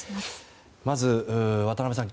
まず、渡辺さん